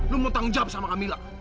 lo mau tanggung jawab sama camilla